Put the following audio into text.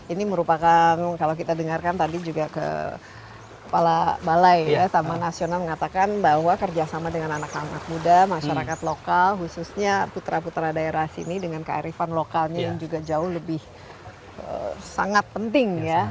ini merupakan kalau kita dengarkan tadi juga kepala balai ya taman nasional mengatakan bahwa kerjasama dengan anak anak muda masyarakat lokal khususnya putra putra daerah sini dengan kearifan lokalnya yang juga jauh lebih sangat penting ya